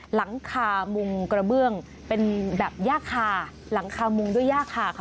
หลังคามุงกระเบื้องเป็นแบบย่าคาหลังคามุงด้วยย่าคาค่ะ